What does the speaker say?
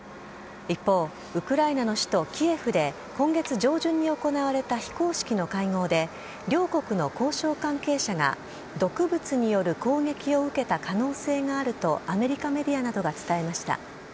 一方、ウクライナの首都キエフで今月上旬に行われた非公式の会合で、両国の交渉関係者が、毒物による攻撃を受けた可能性があると、アメリカメディアなどが伝えました。